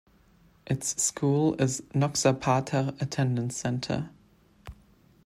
Its school is Noxapater Attendance Center.